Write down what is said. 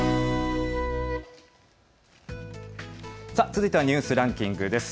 続いてはニュースランキングです。